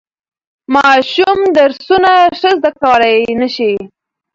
ماشوم درسونه ښه زده کولای نشي.